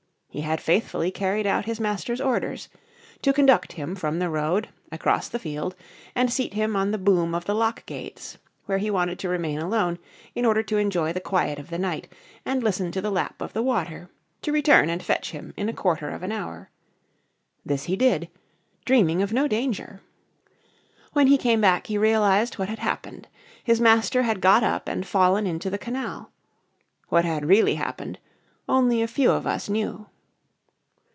He had faithfully carried out his master's orders: to conduct him from the road, across the field, and seat him on the boom of the lock gates, where he wanted to remain alone in order to enjoy the quiet of the night and listen to the lap of the water; to return and fetch him in a quarter of an hour. This he did, dreaming of no danger. When he came back he realised what had happened. His master had got up and fallen into the canal. What had really happened only a few of us knew.